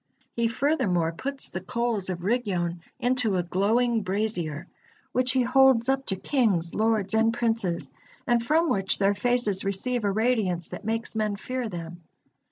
He furthermore puts the coals of Rigyon into a glowing brazier, which he holds up to kings, lords, and princes, and from which their faces receive a radiance that makes men fear them.